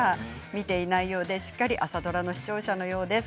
見ていないようでしっかり朝ドラの視聴者のようです。